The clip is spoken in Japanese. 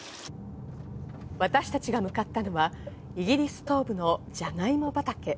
私たちが向かったのはイギリス東部のじゃがいも畑。